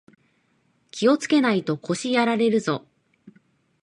気をつけないと腰やられるぞ